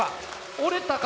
折れたか？